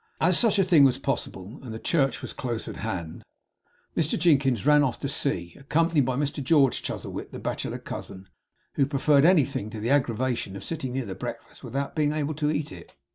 As such a thing was possible, and the church was close at hand, Mr Jinkins ran off to see, accompanied by Mr George Chuzzlewit the bachelor cousin, who preferred anything to the aggravation of sitting near the breakfast, without being able to eat it.